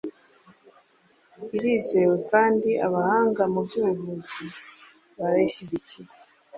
irizewe kandi abahanga mu byubuvuzi barayishyigikiye